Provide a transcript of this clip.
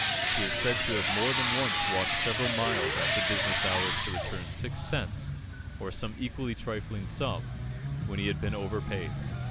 He is said to have more than once walked several miles after business hours to return six cents, or some equally trifling sum, when he had been overpaid.